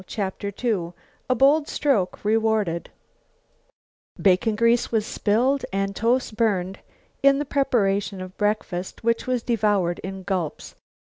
CHAPTER II A BOLD STROKE REWARDED Bacon grease was spilled and toast burned in the preparation of breakfast, which was devoured in gulps.